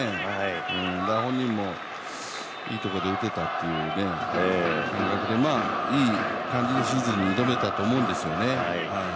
本人も、いいところで打てたといういい感じでシーズンに挑めたと思うんですよね。